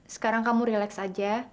sekarang kamu relax aja